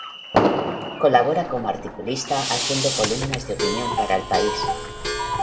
Colabora como articulista haciendo columnas de opinión para El País.